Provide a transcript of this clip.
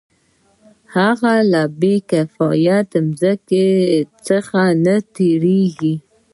هغه له بې کفایته ځمکې څخه نه تېرېږي